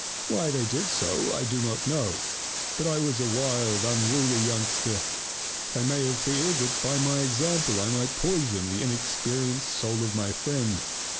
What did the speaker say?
Why they did so I do not know. But I was a wild, unruly youngster; they may have feared that by my example I might poison the inexperienced soul of my friend.